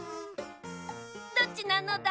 どっちなのだ？